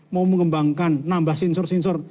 mau mengembangkan nambah sensor sensor